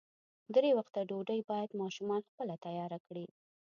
درې وخته ډوډۍ باید ماشومان خپله تیاره کړي.